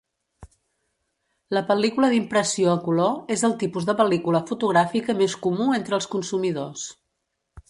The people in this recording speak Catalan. La pel·lícula d'impressió a color és el tipus de pel·lícula fotogràfica més comú entre els consumidors.